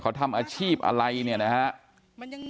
เขาทำอาชีพอะไรเนี่ยนะฮะ